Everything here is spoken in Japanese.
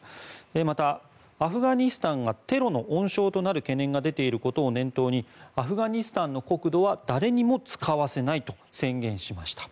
また、アフガニスタンがテロの温床となる懸念が出ていることを念頭にアフガニスタンの国土は誰にも使わせないと宣言しました。